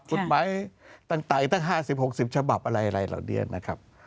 กฎหมายต่างตั้ง๕๐๖๐ฉบับอะไรเหล่านี้นะครับ